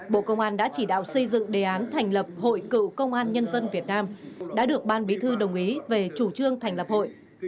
bộ công an đã chỉ đạo xây dựng đề án thành lập hội cựu công an nhân dân việt nam đã được ban bí thư đồng ý về chủ trương thành lập hội